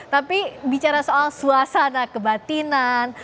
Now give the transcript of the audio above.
tapi bicara soal suasana kebatinan